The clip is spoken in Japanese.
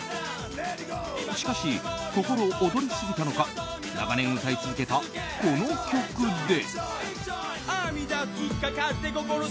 しかし心躍りすぎたのか長年歌い続けたこの曲で。